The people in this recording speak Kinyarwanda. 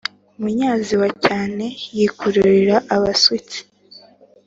umunyazi wa cyane yikururira abaswitsi.